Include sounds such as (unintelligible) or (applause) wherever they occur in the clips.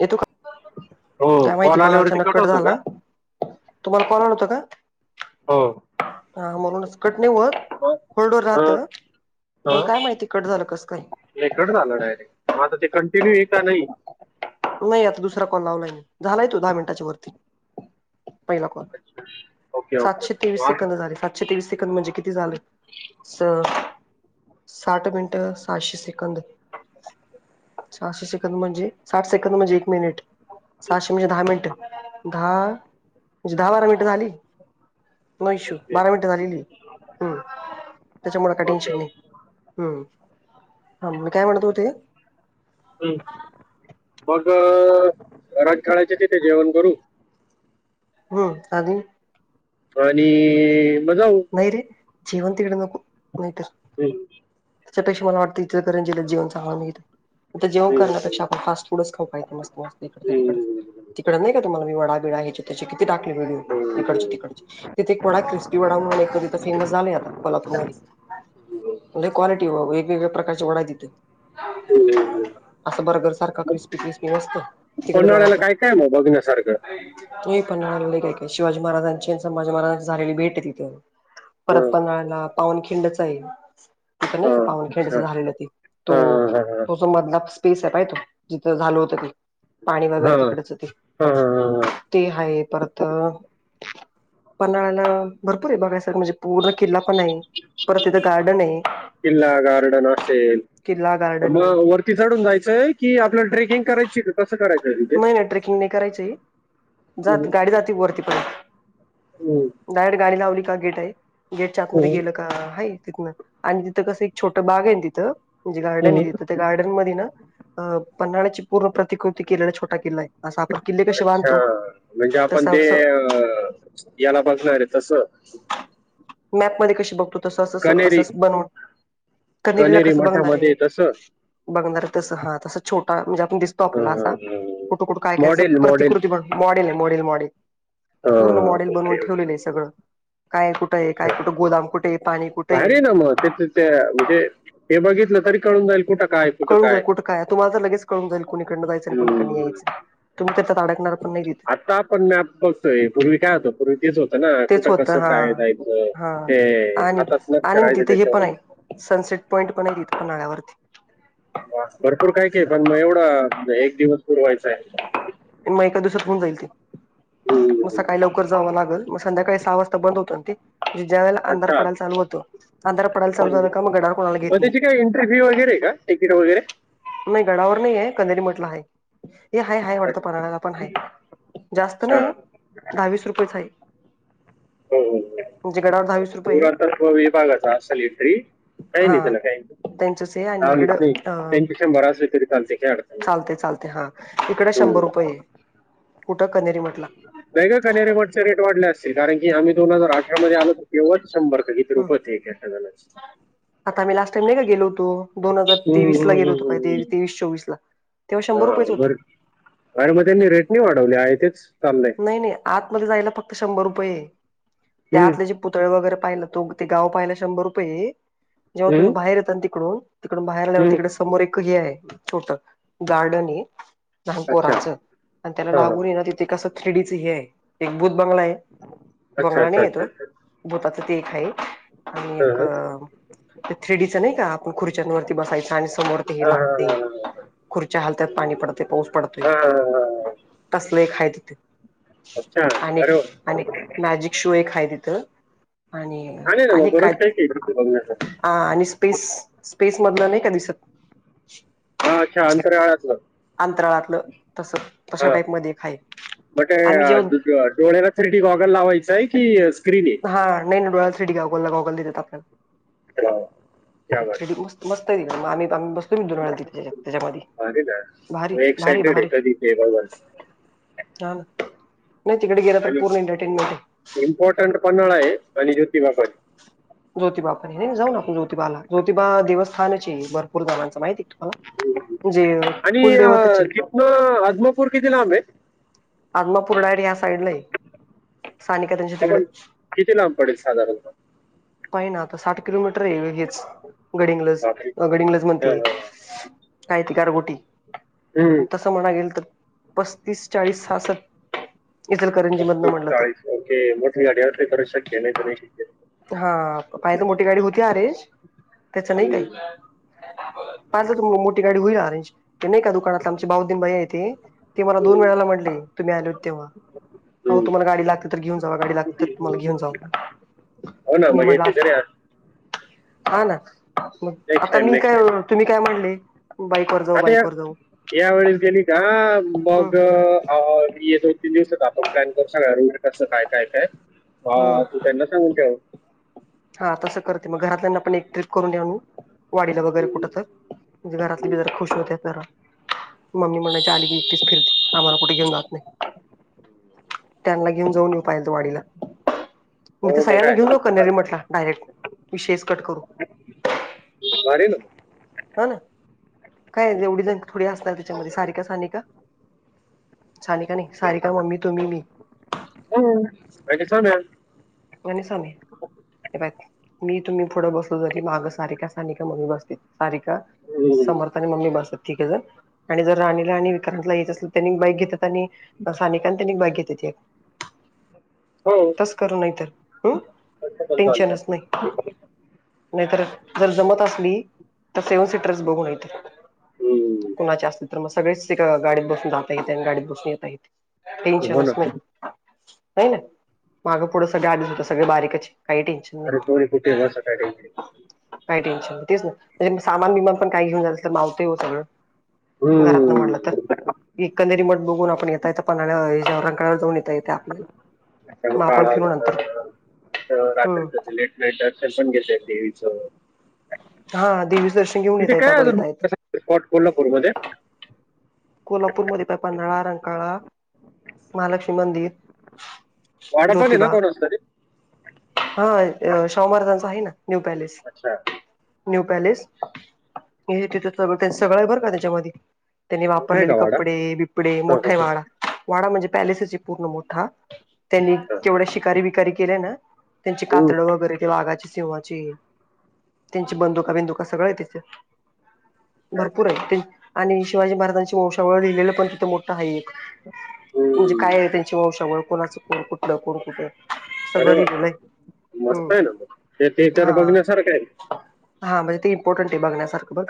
येतो का? हो काय माहिती, कॉल फोन आल्यावरती अचानक कट होतं का झाला. तुम्हाला कॉल आला होता का? हो. हा म्हणूनच, कट नाही होत हां होल्डं वर राहतं. पण हां काय माहिती, कट झालं कसं काय? नाही, कट झाला डायरेक्ट. मग आता ते कंटिन्यू आहे का नाही? नाही, आता दुसरा कॉल लावलाय मी. झालाय तो दहा मिनिटांच्या वरती, पहिला कॉल. अच्छा ओके ओके सातशे तेवीस हां सेकंद झाले. सातशे तेवीस सेकंद म्हणजे किती झाले? स साठ मिनिटं, सहाशे सेकंद. सहाशे सेकंद म्हणजे साठ सेकंद म्हणजे एक मिनिट. सहाशे म्हणजे दहा मिनिट, दहा म्हणजे दहा-बारा मिनिटं झाली. नो इश्यू, ओके बारा मिनिटं झालेली. हं.. त्याच्यामुळे काही ओके ओके टेंशन नाही. हम्म्. हा, मी काय म्हणत होते? हम्म्. मग, रंकाळ्याच्या तिथे जेवण करू. हम्म्.. आणि आणि... मग जाऊ. नाही रे. जेवण तिकडं नको, नाही तर हम्म्. त्याच्यापेक्षा मला वाटतं, इचलकरंजी ला जेवण चांगलं मिळतं. इथं जेवण हं. करण्यापेक्षा आपण फास्ट पूढंच काहीतरी खाऊ, मस्त-मस्त हं. हं. इकडचं-तिकडचं. हं. तिकडं नाही का, तुम्हाला मी वडा-बिडा ह्याचे-त्याचे ते टाकले व्हिडिओ, इकडचे तिकडचे. तिथे एक वडा, क्रिस्पी वडा पाणी-पूरीचं फेमस झालंय, आता कोल्हापूर मध्ये. लई क्वालिटी आहे बाबा, वेगवेगळ्या प्रकारचे वडे आहेत तिथे. असा बर्गर सारखा क्रिस्पी-क्रिस्पी मस्त, तिकडं जाऊ आपण. विन्या सारखं. तू ये पन्हाळ्याला, लई काय-काय आहे. शिवाजी महाराजांची आणि संभाजी महाराजांची झालेली भेट आहे तिथे. परत हां पन्हाळ्याला, पावनखिंडच आहे. तिथं नाही का हां पावनखिंडचं हां झालेलं ते? तो, हां तो जो मधला स्पे स्पेस आहे पाहिला का तू? तिथं झालं होत ते, पाणी वगैरे हां हां तिकडंचं ते हां हां ते आहे. परत पन्हाळ्याला, भरपूर आहे बघायं सारखं. म्हणजे पूर्ण किल्ला पण आहे. परत तिथं, गार्डन आहे. किल्ला, गार्डन. पण असेल. किल्ला गार्डन मग, आहे वरती चढून जायचंय की आपल्याला ट्रेकिंग करायची? कसं करायचंय तिथे? नाही नाही ट्रेकिंग नाही करायचंय जात गाडी जाते वरती पण हम्म्. डायरेक्ट, गाडी लावली का गेट आहे. गेटच्या आतमध्ये गेलं का आहे तिथनं. आणि तिथं कसं एक छोटं बाग आहे तिथं म्हणजे गार्डन आहे तिथं त्या गार्डन मध्ये ना, अ.. पन्हाळ्याची पूर्ण प्रतिकृती केलेला छोटा किल्ला आहे. असा आपण किल्ले कसे अच्छा.. बांधतो म्हणजे आपण तसं ते असं अ.. याला बघणारे तसं मॅप मध्ये कसे बघतो तू? तसं. असं-असं, कनेरी असं-असंच बनावट. कण्हेरीला कनेरी कसं बघणार आहे? मठामध्ये तसं बघणार तस हा तस छोटा म्हणजे आपण दिस तो आपला असा कुठं कुठं काय कायचं मॉडेल मॉडेल प्रतिकृती पण मॉडेल आहे मॉडेल मॉडेल. पूर्ण मॉडेल बनवून ओके ठेवलेलं अच्छा आहे सगळं काय आहे कुठ कुठं आहे काय कुठं गोदाम कुठे आहे पाणी कुठे इनऑडिबल (unintelligible) म्हणजे हे बघितलं तरी कळून जाईल कुठ कळून जाईल कुठं काय तुम्हाला त लगेच कळून जाईल कणीकडं जायचं आणि कोणीकडन हम्म. यायचं. तुम्ही त्यात अडकणार पण नाही तिथे. आता आपण मॅप पूर्वी काय होत पूर्वी तेच होतं ना तेच कुठं होतं कसं हा काय जायचं हा. ते आणि आताच आणि लक्षरायचं तिथे हे पण त्याच्यावरून. आहे सनसेट पॉईंट पण आहे इथ पन्हाळ्यावरती. भरपूर काय का पण मग एवढं एक दिवस पुरवायच आहे. म एका दिवसात होऊन जाईल ते मग हम्म. सकाळी लवकर जावं लागल. मग संध्याकाळी सहा वाजता बंद होत ते ज ज्यावेळेला अंधार अच्छा पडायला चालू होतो अंधार पडायला चालू झाला हम्म. का मग गडावर कोणाला मग घेत नाही. (unintelligible) वगैरे का टिकीट वगैरे. नाही गडावर नाही आहे कणेरी म्हट ला आहे. हे हाय हाय वाटतं पन्हाळाला पण हाय जास्त अच्छा नाही हो दहावीस रुपयेच हाय. हो हो रुपये पुरातत्व विभागाचा असेल (unintelligible) काही नाही हा त्याला काही त्यांचच आहे आणि इकडं नाही अ त्याचे शंभर असले तरी चालतय काय नाही चालते चालते हा इकडे हम्म. शंभर रुपये ये कुठं कनेरी म्हटला. नाही ग कनेरी मठचा रेट वाढला असेल कारण की आम्ही दोन हजार अठरामध्ये आलो तर तेव्हाच शंभर का-की हम् तिरुपती कसा झाला असत. आता आम्ही लास्ट टाईम नाही का गलो होतो दोन हजार तेवीस ला गेलो होतो पाय तेवीस चोवीस ला. तेव्हा शंभर हा रुपयेच होते बर आणि मग त्यांनी रेट नाही वाढवले आहे तेच चाललं नाही नाही आतमध्ये जायला फक्त शंभर रुपये त्या हम्म, आतल्या पुतळे वगैरे पाहिला तो ते गाव पाहिला शंभर रुपये जेव्हा हम्म, तुम्ही बाहेर यतान तिकडून तिकडून बाहेर आल्यावर हम्म. तिकड समोर एक हे आहे छोट गार्डन हे. लहान अच्छा पोरांचं आणि त्याला हा हा. लागून ये ना तिथे कसं थ्रीडीचं हे आहे एक भूत बंगला हे. अच्छा बंगला अच्छा नाहीये अच्छा तो अच्छा भूताच ते एक आहे आणि हा, एक हा. ते थ्रीेडीच नाही का आपण खुर्च्यांवररती बसायचं आणि समोर ते हे हा, हा, लागते हा, हा. खुर्च्या हलत्यात पाणी पडतय पाऊस पडतोय हा, हा, हा. तसल एक हाय तिथ. अच्छा अरे वा. आणि-आणि मॅजिक शो एक हाय तिथं. छान आहे ना मग आणि-आणि काय बरंच काही काही तिथे बघण्याचं आ आणि स्पेस स्पेसमधन नाही का दिसत. हा अच्छा अंतराळातलं. अंतराळातलं तस तशा हा टाईप मध्ये एक हाय मटे आम्ही जेव्हा डू-ड-डोळेला थ्रीडी गॉगल लावायचं आहे की स्क्रीन ये. हा नाही ना डोळ्याला थ्री डी गॉगला गॉगल नि देतात वा, वा. क्या आपल्याला बात. थ्रीडी मस्त मस्त आहे तिकड आम्ही आम् ब द- त्याच्यामध्ये भारी ना भारी मी भारी एक्साइटेड आहे भारी. कधी ते बघायला हा न नाही तिकडे गेल तर आणि पूर्ण एंटरटेनमेंट आहे. इम्पॉर्टंट पन्हाळा आहे आणि ज्योतिबापन. ज्योतिबा पण हायना जाऊन आपण ज्योतिबाला ज्योतिबा देवस्थानाच हे भरपूर जाणांचं माहिती आहे ह- जे कुल देवतच हे. म अदमापूर किती लांब हे आजमापूर डा साईडला हे सानिका त्यांच्या तिकड. आपण किती लांब पडेल साधारण पायना आता साठ किलोमीटर आहे लगेच गडिंग्लज बापरे गडिंग्लज म्हणते हं, हं, कायती गारगोटी हं. हं. तस म्हणाय गेल तर पस्तीस चाळीस सास. पस्स चाळीसओ मोठठी अडीे कर शके नाही तरी नाही शके. (unintelligible) हा पाहि तर मोठी गाडी होती आहे त्याच नाही काही हं, पाहिलं तुम मोठी गाडी होईल अरेंज क नाही का तु दुकाना आमचे बाऊदन बाई आहे त ती मला दोन हं, वेळाला म्हटली तुम्ही आली हो तेव्हा अहो हं. तुमला गाडी लागते तर घेन जा गा लागते तुम्हाला घेऊन जावा हो ना मी म म्हटलं ऐति आ- जरिया हा ना मग नेक्स्ट आता टाइम मी नेक्स्ट काय टाइम तुम्ही काय म्हणले बाईक वर जाऊ आता या, बाईक वर जाऊ या वेळेस गेली का हम्म मग मी दोन, तीन दिवस येत आपण प्लॅन करू सगणार रोटसं काय, काय, काय हम्म त्यांना सांगून त्यांव हा तसं करतते मग घरातल्याना पण एक ट्रीप करून देऊ वाडीला वगैरे हम्म. कुठ तर म्हणजे घरातली बी जरा खुश होते जरा मम्मी म्हणायची आली की एकटीच फिरती आम्हाला कुठं घेऊन जात नाही त्यांना घेऊन जाऊन येऊ पाहिल तो वाडीला नाई ते हो मग सगळ्यांना काय घेऊन जाऊया कणेरी मठला डायरेक्ट विषेच कट करू मारीन हा ना काय एवढी जण थोडी असणार त्याच्यामध्ये सारीका, सनिका सानिका नाही सारिका मम्मी तुम्ही मी हो बा आणि समी मी हे पायमी तुम्ही पुढं बसलो जरी माग सारीका, सनिका मध्ये बसतील सारिका, समर्थ आणि मम्मी बसल तिघ जण आणि जर राणीला आणि विक्रांतला याच असल तर त्यांनी बाईक घेतात आणि सानेिकांतनी बाईक घेतेती ह तस करू नाही तर हम् तसं पण चालतं टेन्शनच नाही नाहीतर जर जमत असली तर सेव्हन सीटरस बघून येत हम्म. कुणाचे असतील तर मग सगळेच गाडीत बसून जाताय आणि गाडीत बसून येता येईल हो ना टेन्शनच नाही नाही ना मागं पुढं सगळे आलेच होत सगळे बारीकचे काही टेन्शन अरे सोरी कुठे बस काय रे? नाही काही टेन्शन तेच ना सामान बीमान पण काही घेऊन जाल तर मावतय हो सगळं घरात न म्हटल हम्म. तर इ कणेरीमठ बघून आपण येता येता पन्हाळा कळावर जाऊन येत आपल्याला मग आपण फिरून आणो रात्री क लेट नाईट दशन पण घेत देवीचं हा देवी इथे काय अजून स्पॉट कोल्हापूर मध्ये कोल्हापूरमध्ये पन्हाळा, रंकाळा, महालक्ष्मी मंदिर वाडा पण आहे ना ज्योतिबा कोणास तरी हा शाहू महारजांचा आहे ना न्यू पॅलेस अच्छा न्यू पॅलेस हे तिथ सगळं भर का त्याच्यामध्ये त्यांनी वाप मोठा आहे वापरलेले का वाडा कपडे, बिपडे हा, मोठा आहे हा, वाडा, वाडा म्हणजे पॅलेसेस पूर्ण मोठा त्यांनी हा. केवढ्या शिकारी, बिकारी केल्या ना त्यांची हम्म. कातड वगैरे ते वाघाच्या सिंवा त्यांची बंदुका, बिंदुका सगळं आहे तिथ भरपूर अच्छा आहे आणि शिवाजी महाराजांची वंशावळ लिहिलेलं पण तिथे मोठं आहे एक म्हणजे हम्म. काय आहे त्यांची वंशावळ कोणाचं कोण कुठलं कोण कुठं सगळं अरे वा लिहिलेलं आहे हू मस्त आहे ना मग. ते ते तर हा, बघण्यासारखं आहे हा हा म्हणजे ते इम्पॉर्टंट आहे बघण्यासारखं बघ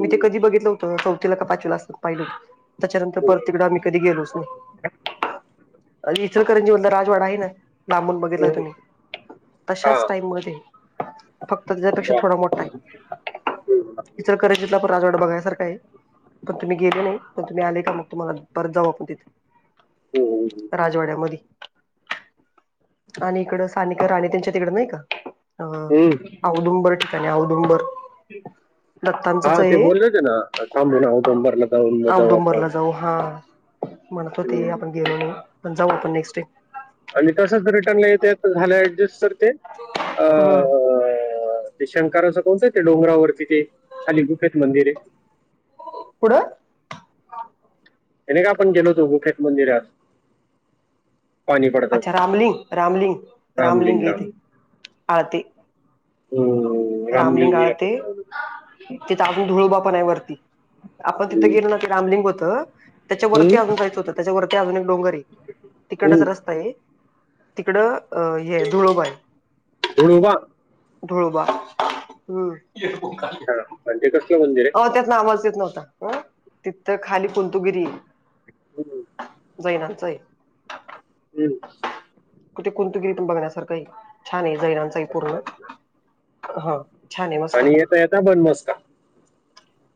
मी ते कधी बघितलं होतं चौथीला का पाचवीला असताना पाहिले त्याच्यानंतर परत हम्म. तिकडं आम्ही कधी गेलोच नाही इचलकरंजी मध्ये राजवाडा आहे ना लांबून बघितला हम्म. तुम्ही हा तशाच टाइम मध्ये फक्त त्याच्यापेक्षा वा. थोडा मोठा आहे हम्म. इचलकरंजीतला पण राजवाडा बघण्यासारखा आहे पण तुम्ही गेले नाही पण तुम्ही आले का मग तुम्हाला परत जाऊ आपण तिथे हम्म. राजवाड्यामध्ये आणि इकड सानिका राणी त्यांच्या तिकड नाही का अ हम्म. आव. दुंबर ठिकाणी अऔधुबर दत्तांचंच हा ते आहे. बोलले ना सां उटंबरला जाऊन मजा वापर. औदुंबरला जाऊ हा म्हणतो ते आपण गेलो नाही पण जाऊ आपण नेक्स्ट डे. आणि कसंच रिटर्नला येत झालं ऍडजस्ट तर ते होम्. अं, ते शंकारा असं कोणतं ते डोंगरावरती ते अलीिगुफेत मंदिर आहे. पुुढं. हे का आपण गेलोतो गुखेत मंदिरात. पाणी पडतात अच्छा रामलिंग रामलिंग रामलिंग येते हा ते हम् रमला. ते तागून धुळोबा पण आहे वरती आपण तिथं हम्म. गेलो ना रामलिंग होतं त्याच्यावररती हम्म, अजून जायच होतं त्याच्यावरती अजून एक डोंगर. हम्म. तिकडचा रस्ता आहे तिकडं हे धुळोबाय. हे का? धरबा हम् का? म्हणजे कसलं मंदिर? आहे नावा येत नव्हता तिथं खाली कुलतुगिरी हम्. जैनांचं आहे. हम्. कुठे कुंतगिरीतून बघण्यासारखंही छान आहे जैनांचाही पूर्ण ह छान आहे मस्त. बहता ब मस्त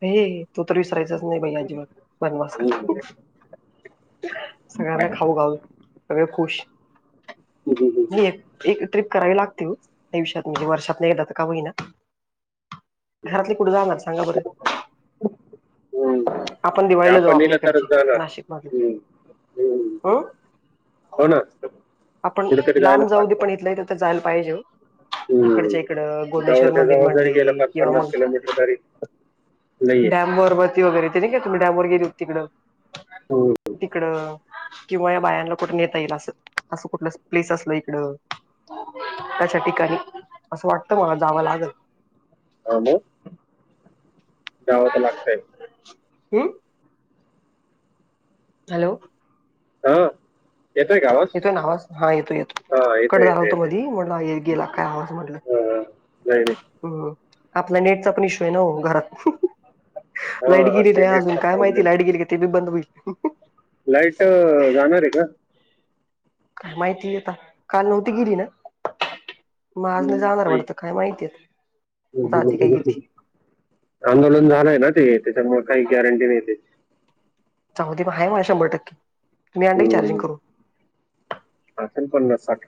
हे तू तर विसरायचाच नाही भाई अजिबात बनवास कर. हम्म. सगळ्यांना खाऊ खाऊ सगळे खुश हम्म. मी एक एक ट्र्रीप करावी लागते आयुष्यात म्हणजे वर्षात नाही जात का होईना. घरातले कुठे जाणार सांगा बरं. हम्. त्या दिवाळीला जाऊ आपण आपल्या नलं इकडचे तरच झालं नाशिक मधले हम्म हम्. अ हो ना. आपण जायला लांब जाऊ दे पाहतो पण इथलं तरथ जायला पाहिजे. हम्म. इकडच्या इकड जवळ गोडेश्वर त्या मंदिर जवळ जरी गेलं म्हडले पाच किंवा पन्नास मग किलोमीटर तरी नाहीये डॅम वबती वगैरे ते नाही का तुम्ही डॅम वर गेली हो तिकडं तिकडं. किंवा या बायांना कुठून येता येईल असं असं कुठलं प्लेस असल इकड. त्याशा ठिकाणी असं वाटत मला जावं लागेल. ह. हम्. हॅलो. हा. येतोय का आवाज इथोय ना आवाज हा यथो येतो. हा कड येते झाला येते होतो येते मधी म्हटला गेला काय आवाज म्हटलं. हा, नाही नाही हम् आपला नेटचा पण इशू आहे ना घरात हा लाईट हा, गिरी ते र अजून नेटचा काय माहिती प्रॉब्लेम लाईट गिरी का ते बी बंद होईल. लाईट जाणार आहे का? का माहिित आता काल नव्हती गेली ना. मज नाही जाणार वाटत काय माहितीय जाते काय किती? आंदोलन झालंय ना ते त्याच्यामुळे काही गॅरंटी नाही. सुमृद्धी म आहे मला शंभर टक्केुम्ही अक् चार्जिंग करून. आसल पन्नास साठ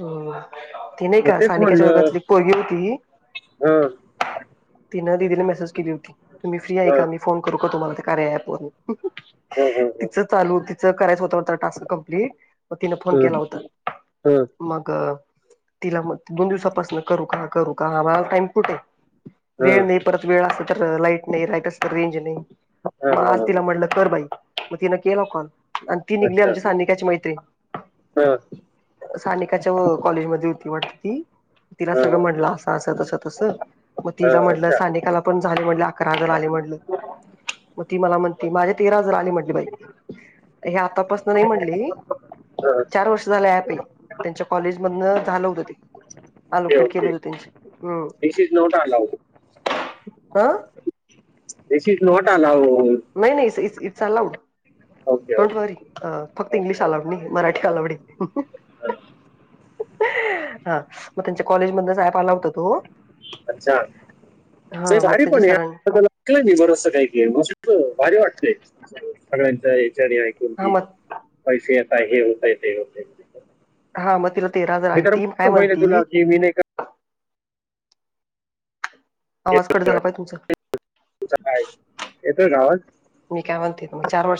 हम्म, ती नाही मग का? तेच सानिकाच्या म्हणलं वर्गातली एक पोरगी होती हा तिनं दिदीला मेसेज केली होती. तुम्ही फ्री आहे हा का? मी फोन करू का तुम्हाला त्या कार्या ॲप वरून. हा हा हा तिचं चालू तिचं करायचं होतं होता टास्क कमप्लीट मग तिनं फोन केला होता. हम. मग तिला मग दोन दिवसापासून करू का? करू का? मला टाइम कुठे? हा वेळ नाही, परत वेळ असेल तर लाईट नाही, लाईट असेल तर रेंज नाही. हा मग हा आज हा तिला म्हणलं कर बाई मग तिनं केला कॉल आणि ती निघली अच्छा आमच्या सनिकाची मैत्रीण. हा. सानिकाच्या कॉलेज मध्ये होती वाटत ती तिला सगळं म्हटलं असं असं तसं तसं मग हा तिला म्हटलं अच्छा सानेिकाला पण झाले म्हटलं अकरा हजार आले म्हटलं. मग ती मला म्हणती माझ्या तेरा हजार आली म्हटली बाई हे आतापासन नाही म्हणली हा चार वर्ष झालं ॲपेय त्यांच्या कॉलेज मधन झालं होतं ते. ओके आलोकेट केलं ओके होत त्यांचे हम् दिस इज नॉट अलाउड हां. This is not allowed. नाही नाही it's allowed. Okay don't worry फक्त इंग्लिश ओके आलाउड नाही मराठी आलाउडय. (inaudible) हां मग त्यांच्या कॉलेज मधन ॲप आला होता तो अच्छा! हा (unintelligible) मग सारी त्यांच्या पण सरां एकलं मी बरस काही के बघितलं भारी वाटतय सगळ्यांच एक जर्नी ऐकून हा ती मग पैसे यताय हे होतंय ते होतेयं हा मग तिला तेरा हजार मी आली तर ती काय होईल तुला म्हणती की मी नाही आवाज कट झाला बाय तुमचा. काय येतोय गावात म काय म्हनते तुम्ही चार वर्ष